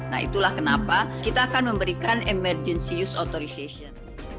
nah itulah kenapa kita akan memberikan emergency use authorization